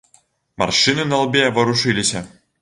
Маршчыны на лбе варушыліся.